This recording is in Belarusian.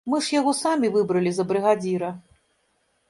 Мы ж яго самі выбралі за брыгадзіра.